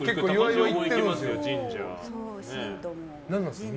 僕は行きますよ、神社。